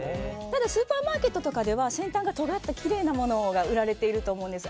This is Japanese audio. ただスーパーマーケットとかでは先端がとがったきれいなものが売られていると思うんです。